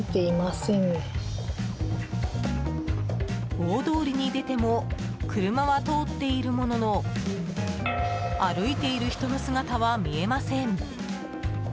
大通りに出ても車は通っているものの歩いている人の姿は見えません。